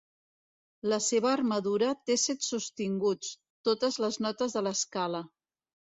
La seva armadura té set sostinguts, totes les notes de l'escala.